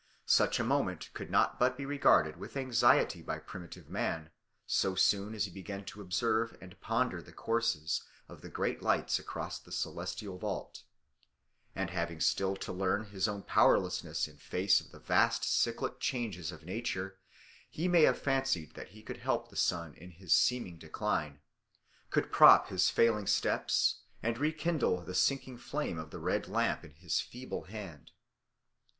Such a moment could not but be regarded with anxiety by primitive man so soon as he began to observe and ponder the courses of the great lights across the celestial vault; and having still to learn his own powerlessness in face of the vast cyclic changes of nature, he may have fancied that he could help the sun in his seeming decline could prop his failing steps and rekindle the sinking flame of the red lamp in his feeble hand.